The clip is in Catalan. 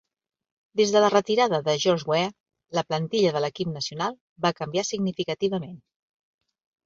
Des de la retirada de George Weah, la plantilla de l'equip nacional va canviar significativament.